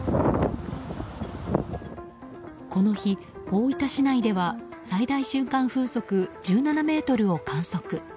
この日、大分市内では最大瞬間風速１７メートルを観測。